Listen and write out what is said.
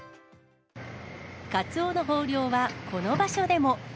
カツオの豊漁は、この場所でも。